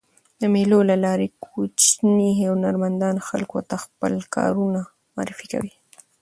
د مېلو له لاري کوچني هنرمندان خلکو ته خپل کارونه معرفي کوي.